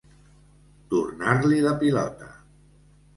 Tornar-li la pilota.